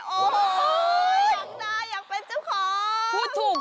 โอ้โหหล่อมาได้อยากเป็นเจ้าของ